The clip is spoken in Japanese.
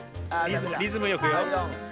リズムよくよ。